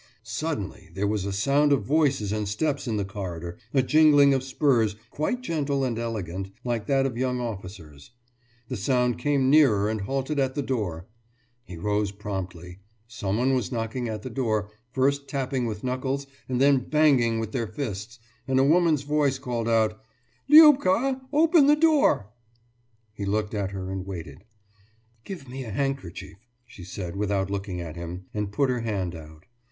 Suddenly there was a sound of voices and steps in the corridor, a jingling of spurs, quite gentle and elegant, like that of young officers. The sound came nearer and halted at the door. He rose promptly. Someone was knocking at the door, first tapping with knuckles and then banging with their fists, and a woman's voice called out: »Liubka, open the door!« He looked at her and waited. »Give me a handkerchief,« she said, without looking at him, and put her hand out.